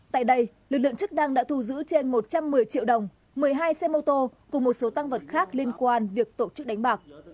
tại đây lực lượng chức năng đã thu giữ trên một trăm một mươi triệu đồng một mươi hai xe mô tô cùng một số tăng vật khác liên quan việc tổ chức đánh bạc